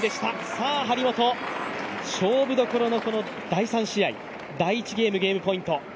さあ張本、勝負どころの第３試合、第１ゲーム、ゲームポイント。